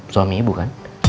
suami ibu kan